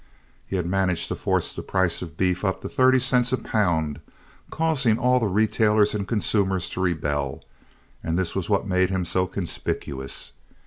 He had managed to force the price of beef up to thirty cents a pound, causing all the retailers and consumers to rebel, and this was what made him so conspicuous.